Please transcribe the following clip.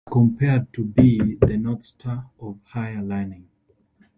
It was compared to be "The North Star of Higher Learning".